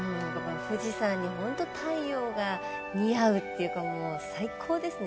富士山に本当に太陽が似合うというか最高ですね。